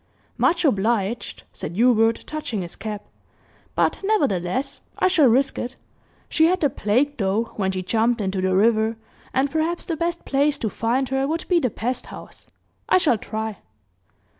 "Much obliged," said Hubert, touching his cap, "but nevertheless, I shall risk it. She had the plague, though, when she jumped into the river, and perhaps the best place to find her would be the pest house. I shall try."